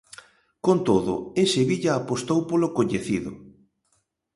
Con todo, en Sevilla apostou polo coñecido.